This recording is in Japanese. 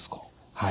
はい。